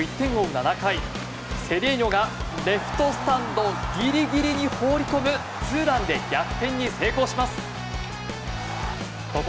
７回セデーニョがレフトスタンドギリギリに放り込むツーランで逆転に成功します。